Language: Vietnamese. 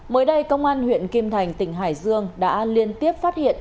mới đây công an huyện kim thành tỉnh hải dương đã liên tiếp phát hiện